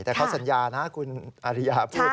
แต่เขาสัญญานะคุณอาริยาพูด